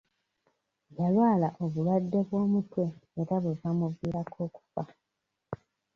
Yalwala obulwadde bw'omutwe era bwe bwamuviirako okufa.